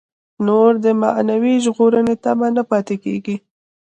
نور د معنوي ژغورنې تمه نه پاتې کېږي.